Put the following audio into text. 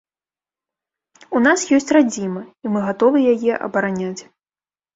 У нас ёсць радзіма і мы гатовы яе абараняць.